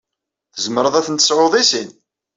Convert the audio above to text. Tzemreḍ ad ten-tesɛuḍ i sin.